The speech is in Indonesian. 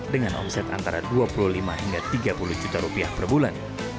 dengan omset antara dua puluh lima hingga tiga puluh juta rupiah per bulan